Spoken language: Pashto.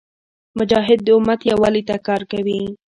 مجاهد د امت یووالي ته کار کوي.